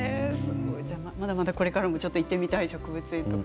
まだまだこれからも行ってみたい植物園とか。